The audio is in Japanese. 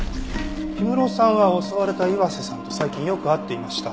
氷室さんは襲われた岩瀬さんと最近よく会っていました。